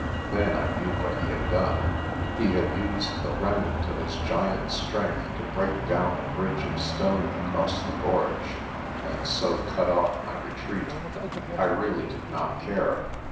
Then I knew what he had done. He had used the remnant of his giant strength to break down the bridge of stone across the gorge, and so cut off my retreat. I really did not care.